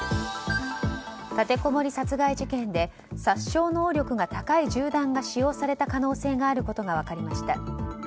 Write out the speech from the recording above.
立てこもり殺害事件で殺傷能力が高い銃弾が使用された可能性があることが分かりました。